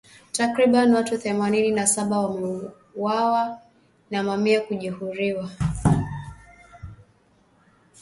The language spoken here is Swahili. Takribani watu themanini na saba wameuawa na mamia kujeruhiwa